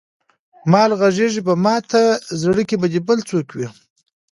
مالې غږېږې به ماته زړه کې به دې بل څوک وي.